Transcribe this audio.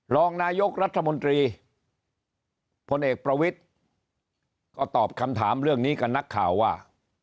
รองนายกรัฐมนตรีพลเอกประวิทธิ์ก็ตอบคำถามเรื่องนี้กับนักข่าวว่า